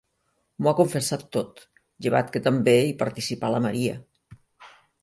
M'ho ha confessat tot, llevat que també hi participà la Maria.